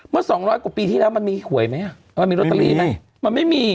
เมื่อ๒๐๐กว่าปีที่แล้วมันมีหวยไหมมันมีรสตรีไหมมันไม่มี